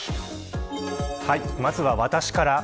まずは私から。